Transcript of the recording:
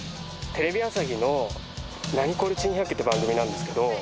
テレビ朝日の『ナニコレ珍百景』って番組なんですけど。